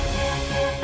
nggak ada ibu